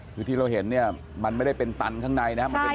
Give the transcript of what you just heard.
คือที่เราเห็นเนี่ยมันไม่ได้เป็นตันข้างในนะครับ